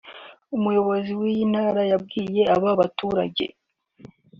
umuyobozi w’iyi Ntara yabwiye abo baturage